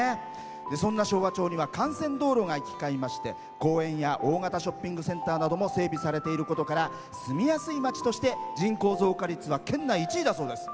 そんな昭和町には幹線道路が行き交いまして公園や大型ショッピングセンターなどが整備されていることから住みやすい町として人口増加率は県内１位だそうです。